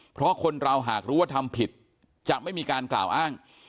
เพราะคนเราหากรู้ว่าทำผิดจะไม่มีการกล่าวอ้าง